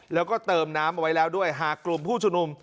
แล้วก็เติมน้ำเอาไว้แล้วด้วยหากกลุ่มผู้ชุมนุม